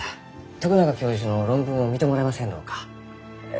徳永教授の論文を見てもらえませんろうか？え